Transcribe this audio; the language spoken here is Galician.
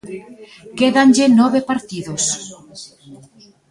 Quédanlle nove partidos.